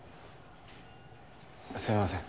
すいません。